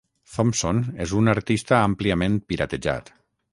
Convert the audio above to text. Thompson és un artista àmpliament piratejat.